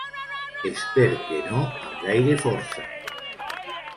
Esper que no amb gaire força.